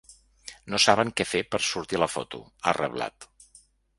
No saben què fer per sortir a la foto, ha reblat.